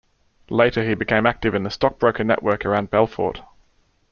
Later he became active in the Stockbroker Network around Belfort.